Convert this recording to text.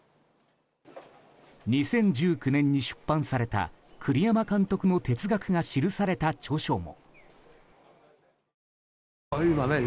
２０１９年に出版された栗山監督の哲学が記された著書も。